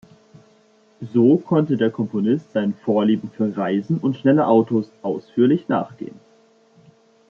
So konnte der Komponist seinen Vorlieben für Reisen und schnelle Autos ausführlich nachgehen.